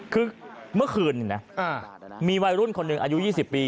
คือเมื่อคืนนะมีวัยรุ่นคนหนึ่งอายุ๒๐ปี